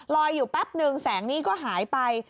อยู่แป๊บนึงแสงนี่ก็หายไป